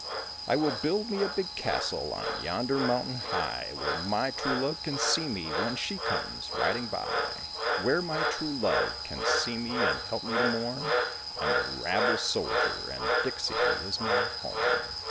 I will build me a big castle on yonder mountain high, Where my true love can see me when she comes riding by, Where my true love can see me and help me to mourn, I am a rabble soldier and Dixie is my home.